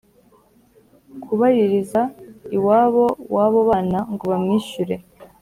kubaririza iwabo w'abo bana ngo bamwishyure.